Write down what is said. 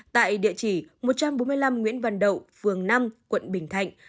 tại địa chỉ một trăm bốn mươi năm nguyễn văn đậu phường năm quận bình thạnh